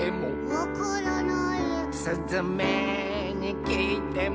「わからない」「すずめにきいても」